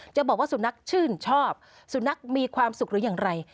จะบอกว่าสูตนักชื่นชอบสูตนักมีความสุขอย่างไร